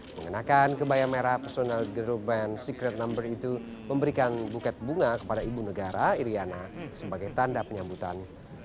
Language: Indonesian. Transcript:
mengenakan kebaya merah personal girl band secret number itu memberikan buket bunga kepada ibu negara iryana sebagai tanda penyambutan